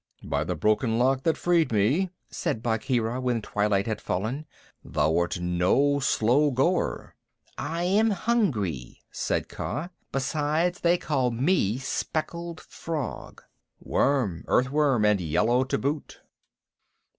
"By the Broken Lock that freed me," said Bagheera, when twilight had fallen, "thou art no slow goer!" "I am hungry," said Kaa. "Besides, they called me speckled frog." "Worm earth worm, and yellow to boot."